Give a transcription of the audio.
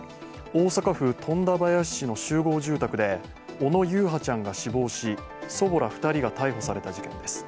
大阪府富田林市の集合住宅で小野優陽ちゃんが死亡し、祖母ら２人が逮捕された事件です。